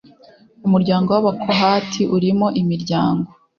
Umuryango w Abakohati urimo imiryango